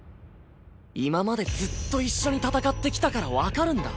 今までずっと一緒に戦ってきたからわかるんだ